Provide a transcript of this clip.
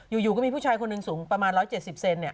อยู่ก็มีผู้ชายคนหนึ่งสูงประมาณ๑๗๐เซน